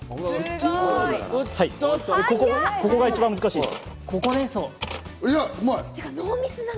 ここが一番難しいです。